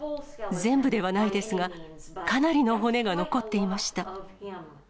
全部ではないですが、かなりの骨が残っていました。